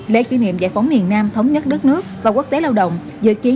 lễ kỷ niệm giải phóng miền nam thống nhất đất nước và quốc tế lao động dự kiến